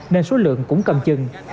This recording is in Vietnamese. nên số lượng cũng cầm chừng